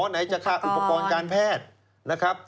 ไหนจะค่าอุปกรณ์การแพทย์